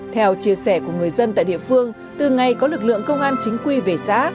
theo chia sẻ của người dân tại địa phương từ ngày có lực lượng công an chính quy về xã